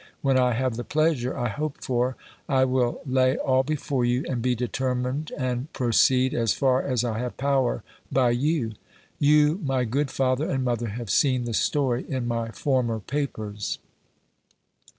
When I have the pleasure I hope for, I will lay all before you, and be determined, and proceed, as far as I have power, by you. You, my good father and mother, have seen the story in my former papers.